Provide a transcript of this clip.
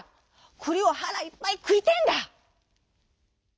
くりをはらいっぱいくいてえんだ」。